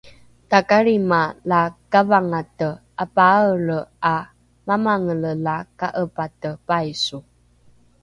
takalrima la kavangate apaaelre ’a mamangele la ka’epate paiso